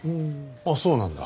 ああそうなんだ。